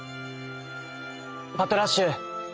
「パトラッシュ！